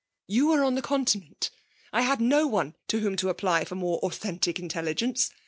" You were on the Continent. I had no one to whom to apply for more authentic intelli gence.